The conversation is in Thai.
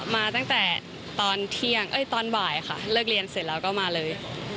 มาตั้งแต่ตอนบ่ายเลิกเรียนเสร็จแล้วก็มาเลย